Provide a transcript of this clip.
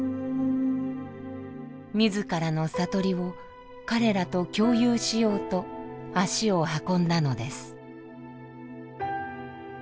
自らの悟りを彼らと共有しようと足を運んだのです。